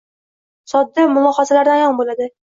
Sodda mulohazalardan ayon bo‘ladi.